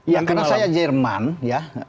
ya karena saya jerman ya